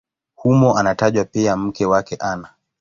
Humo anatajwa pia mke wake Ana.